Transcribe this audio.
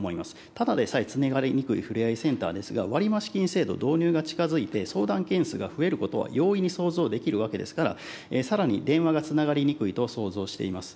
ただでさえ、つながりにくいふれあいセンターですが、割増金制度導入が近づいて、相談件数が増えることは容易に想像できるわけですから、さらに電話がつながりにくいと想像しています。